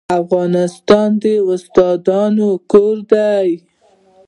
افغانستان د استادانو کور و.